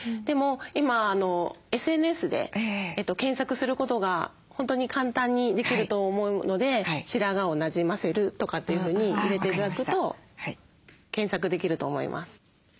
でも今ＳＮＳで検索することが本当に簡単にできると思うので「白髪をなじませる」とかっていうふうに入れて頂くと検索できると思います。